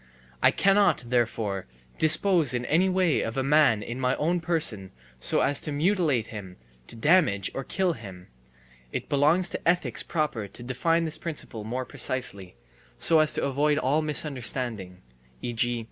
I cannot, therefore, dispose in any way of a man in my own person so as to mutilate him, to damage or kill him. (It belongs to ethics proper to define this principle more precisely, so as to avoid all misunderstanding, e. g.